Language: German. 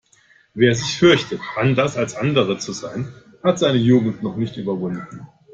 Wer sich fürchtet, anders als andere zu sein, hat seine Jugend noch nicht überwunden.